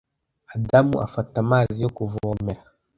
adamu afata amazi yo kuvomera